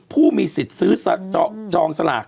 ผู้มีสิทธิ์ซื้อจองสลาก